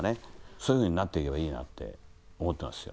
そういうふうになって行けばいいなって思ってますよ